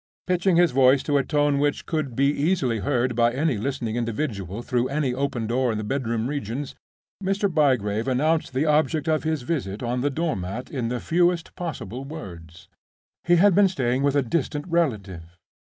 Pitching his voice to a tone which could be easily heard by any listening individual through any open door in the bedroom regions, Mr. Bygrave announced the object of his visit on the door mat in the fewest possible words. He had been staying with a distant relative.